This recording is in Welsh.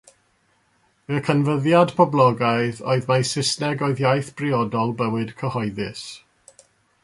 Y canfyddiad poblogaidd oedd mai Saesneg oedd iaith briodol bywyd cyhoeddus.